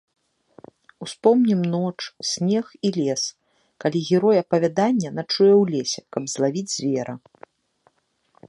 Успомнім ноч, снег і лес, калі герой апавядання начуе ў лесе, каб злавіць звера.